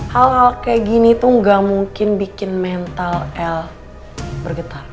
hal hal kayak gini tuh gak mungkin bikin mental el bergetar